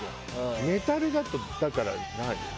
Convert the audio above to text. メタルだとだから何？